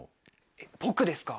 えっ僕ですか？